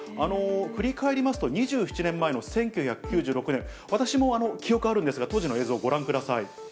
振り返りますと、２７年前の１９９６年、私も記憶あるんですが、当時の映像ご覧ください。